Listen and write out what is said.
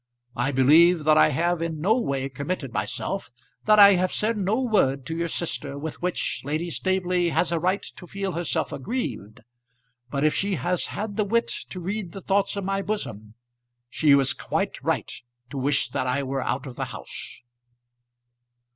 I believe that I have in no way committed myself that I have said no word to your sister with which Lady Staveley has a right to feel herself aggrieved; but if she has had the wit to read the thoughts of my bosom, she is quite right to wish that I were out of the house."